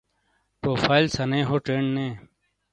پروفائیل سنَے ہو چین نے۔